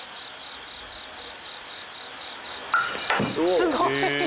すごい！